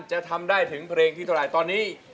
จะทำได้ถึงเพลงที่ต่อได้